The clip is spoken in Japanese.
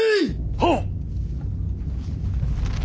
はっ！